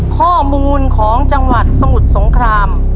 ข้อมูลของจังหวัดสมุทรสงคราม